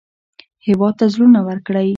هېواد ته زړونه ورکړئ